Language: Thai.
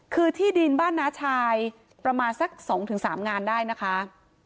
คือที่ดินบ้านน้าชายประมาณสัก๒๓งานได้นะคะ